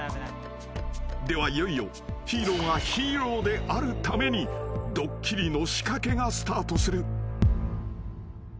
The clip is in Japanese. ［ではいよいよヒーローがヒーローであるためにドッキリの仕掛けがスタートする］